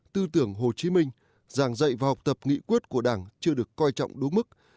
tư tưởng hồ chí minh giảng dạy và học tập nghị quyết của đảng chưa được coi trọng đúng mức